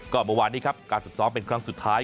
ก็เมื่อวานนี้ครับการฝึกซ้อมเป็นครั้งสุดท้าย